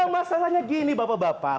masalahnya gini bapak bapak